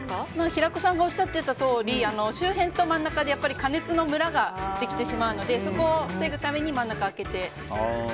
平子さんがおっしゃってたとおり周辺と真ん中で加熱のムラができてしまうのでそこを防ぐために真中を開けておく。